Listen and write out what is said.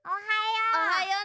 おはよう。